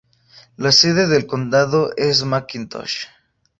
La sede del condado es McIntosh.